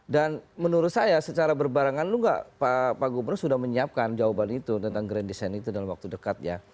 dan menurut saya secara berbarangan pak gubernur sudah menyiapkan jawaban itu tentang grand design itu dalam waktu dekat ya